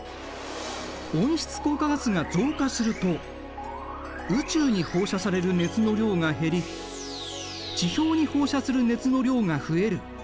温室効果ガスが増加すると宇宙に放射される熱の量が減り地表に放射する熱の量が増える。